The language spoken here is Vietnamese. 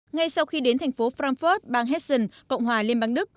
ngay sau khi đến thành phố frankfurt bang hessen cộng hòa liên bang đức